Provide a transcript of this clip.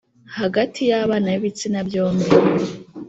hagati y’abana b’ibitsina byombi.